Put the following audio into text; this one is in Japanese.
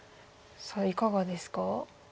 さあいかがですか？